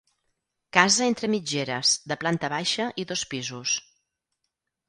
Casa entre mitgeres, de planta baixa i dos pisos.